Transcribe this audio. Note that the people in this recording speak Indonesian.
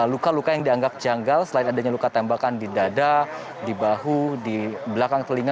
luka luka yang dianggap janggal selain adanya luka tembakan di dada di bahu di belakang telinga